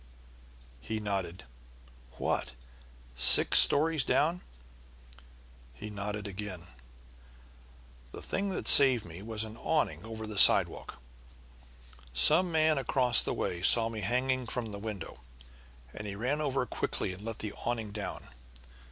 He nodded. "What, six stories down?" He nodded again. "The thing that saved me was an awning over the sidewalk. Some man across the way saw me hanging from the window, and he ran over quickly and let the awning down.